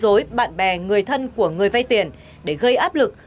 đối bạn bè người thân của người vây tiền để gây áp lực